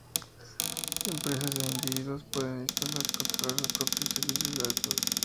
Empresas e individuos pueden instalar y controlar sus propios servicios y datos.